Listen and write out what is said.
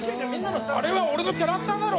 あれは俺のキャラクターだろ！